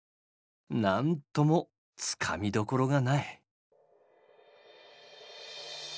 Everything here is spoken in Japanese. なんともつかみどころがない。